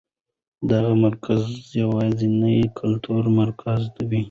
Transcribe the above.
دغه مرکز یوازېنی کلتوري مرکز و.